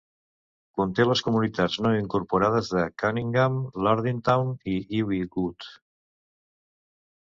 Conté les comunitats no incorporades de Cunningham, Lardintown i Ivywood.